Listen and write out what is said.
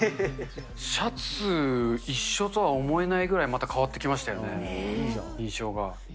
シャツ一緒とは思えないぐらい、また変わってきましたよね、印象が。